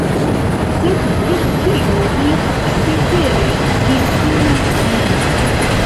Sed per kio vi cetere vivtenas vin?